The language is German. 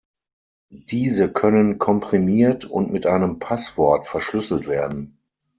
Diese können komprimiert und mit einem Passwort verschlüsselt werden.